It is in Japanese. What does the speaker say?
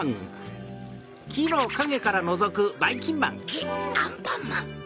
ゲッアンパンマン。